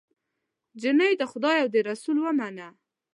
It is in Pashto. جینۍ د خدای او د رسول ومنه